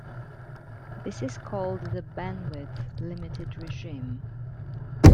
This is called the "bandwidth-limited regime".